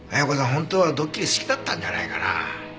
本当はどっきり好きだったんじゃないかな。